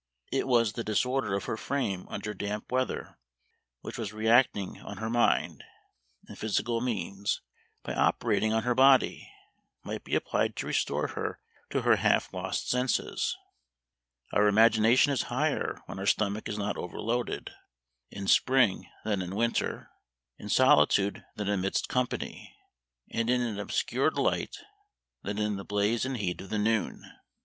It was the disorder of her frame under damp weather, which was reacting on her mind; and physical means, by operating on her body, might be applied to restore her to her half lost senses. Our imagination is higher when our stomach is not overloaded; in spring than in winter; in solitude than amidst company; and in an obscured light than in the blaze and heat of the noon.